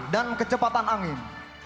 dan kecepatan angin